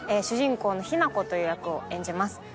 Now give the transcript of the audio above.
主人公の雛子という役を演じます。